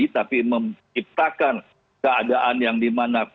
tapi menciptakan keadaan yang dimana